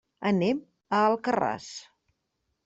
Anem a Alcarràs.